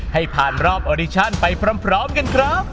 ให้ผ่านรอบออดิชั่นไปพร้อมกันครับ